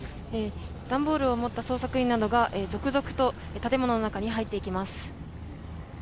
段ボールを持った捜査員などが続々と建物の中に入っていきます。